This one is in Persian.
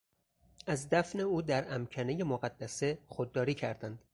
از دفن او در امکنهی مقدسه خودداری کردند.